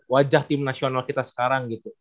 wajah tim nasional kita sekarang gitu